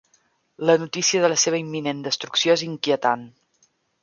La notícia de la seva imminent destrucció és inquietant.